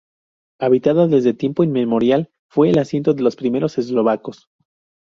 Habitada desde tiempo inmemorial, fue el asiento de los primeros eslovacos.